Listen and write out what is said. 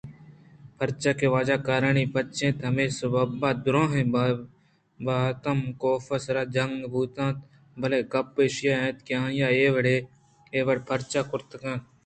پرچاکہ واجہ کارانی بچ اَت ءُہمے سبب ءَ دُرٛاہیں بہتام کاف ءِ سرا جنگ بوت اَنت بلئے گپ ایش اِنت کہ آئی ءَاے وڑپرچا کرتگ اَت؟